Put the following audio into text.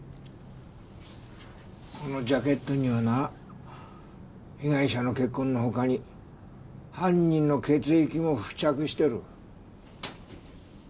このジャケットにはな被害者の血痕の他に犯人の血液も付着してる。